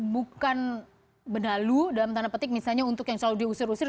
bukan benalu dalam tanda petik misalnya untuk yang selalu diusir usir